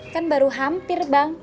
kan baru hampir bang